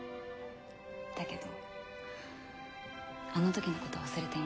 だけどあの時のことは忘れていません。